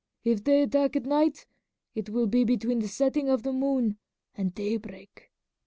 If they attack at night it will be between the setting of the moon and daybreak."